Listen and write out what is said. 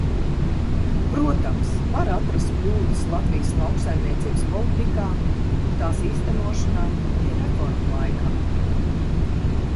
Protams, var atrast kļūdas Latvijas lauksaimniecības politikā un tās īstenošanā arī reformu laikā.